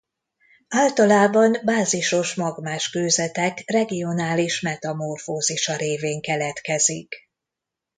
Általában bázisos magmás kőzetek regionális metamorfózisa révén keletkezik.